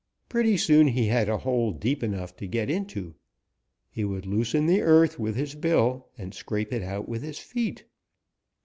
Pretty soon he had a hole deep enough to get into. He would loosen the earth with his hill and scrape it out with his feet.